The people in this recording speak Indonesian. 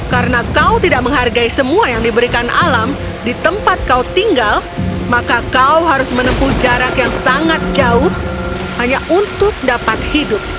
karena kau tidak menghargai semua yang diberikan alam di tempat kau tinggal maka kau harus menempuh jarak yang sangat jauh hanya untuk dapat hidup